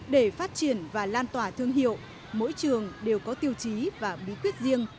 để phát triển và lan tỏa thương hiệu mỗi trường đều có tiêu chí và bí quyết riêng